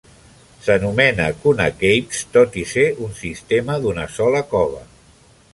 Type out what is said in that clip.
S'anomena Kuna Caves tot i ser un sistema d'una sola cova.